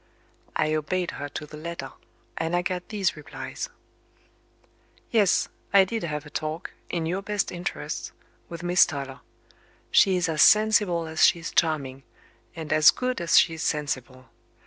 I obeyed her to the letter; and I got these replies: "Yes; I did have a talk, in your best interests, with Miss Toller. She is as sensible as she is charming, and as good as she is sensible.